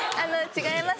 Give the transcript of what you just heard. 違います。